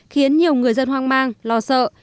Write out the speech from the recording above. khiến nhiều người dân hoang mang lo sợ